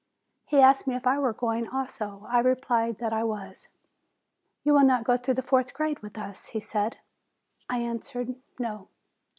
He asked me if I were going, also. I replied that I was. "You will not go through the fourth grade with us?" he said. I answered, "No."